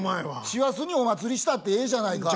「師走にお祭りしたってええじゃないか！」。